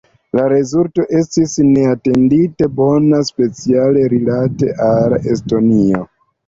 La rezulto estis neatendite bona, speciale rilate al Estonio.